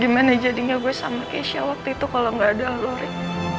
gimana jadinya gue sama keisha waktu itu kalau gak ada lo rik